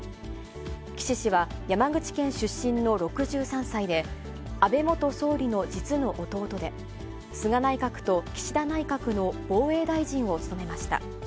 岸氏は、山口県出身の６３歳で、安倍元総理の実の弟で、菅内閣と岸田内閣の防衛大臣を務めました。